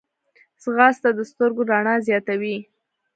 ځغاسته د سترګو رڼا زیاتوي